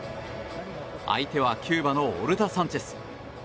相手はキューバのオルタ・サンチェス。